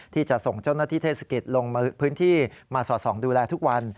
ที่จะส่งเจ้าหน้าที่เทศกิจลงพื้นที่มาสอดส่องดูแลทุกวัน